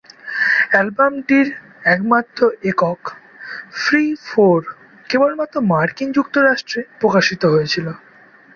অ্যালবামটির একমাত্র একক, "free four" কেবলমাত্র মার্কিন যুক্তরাষ্ট্রে প্রকাশিত হয়েছিল।